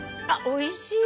おいしい！